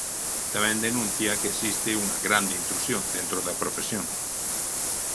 Tamén denuncia que existe unha grande intrusión dentro da profesión.